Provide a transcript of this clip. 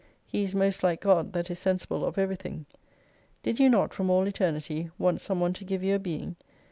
He is most like God that is sensible of every thing. Did you not from all Eternity want some one to give you a Being